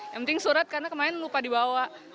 yang penting surat karena kemarin lupa dibawa